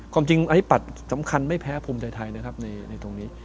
ความจริงอธิปัตย์สำคัญไม่แพ้ภูมิใจไทยนะครับในตรงนี้